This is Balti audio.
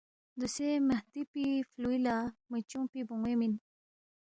دوسے مہدی پی فلوئی لا میچونگپی بونوے مِن۔